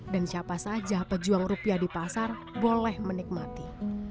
dan siapa saja pejuang rupiah di pasar boleh menikmati